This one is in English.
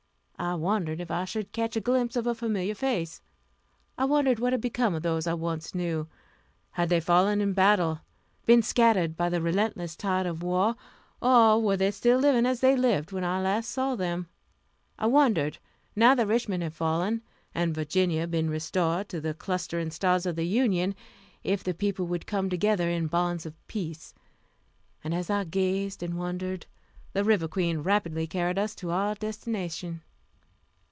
I wondered if I should catch a glimpse of a familiar face; I wondered what had become of those I once knew; had they fallen in battle, been scattered by the relentless tide of war, or were they still living as they lived when last I saw them? I wondered, now that Richmond had fallen, and Virginia been restored to the clustering stars of the Union, if the people would come together in the bonds of peace; and as I gazed and wondered, the River Queen rapidly carried us to our destination.